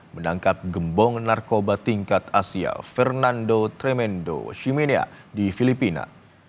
menangkap gembong narkoba tingkat asia fernando tremendo shimenea di filipina